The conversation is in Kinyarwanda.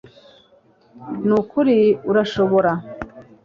ni ukuri, urashobora